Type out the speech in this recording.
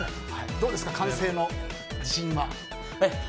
どうですか、完成の自信は。